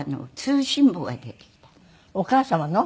お母様の？